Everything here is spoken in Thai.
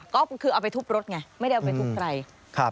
ก็คือเอาไปทุบรถไงไม่ได้เอาไปทุบใคร